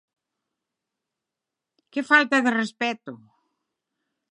¡Que falta de respecto!